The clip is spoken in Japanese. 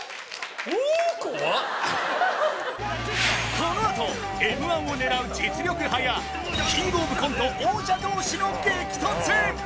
このあとＭ−１を狙う実力派やキングオブコント王者同士の激突！